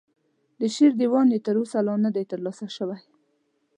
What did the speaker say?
د شعر دیوان یې تر اوسه نه دی ترلاسه شوی.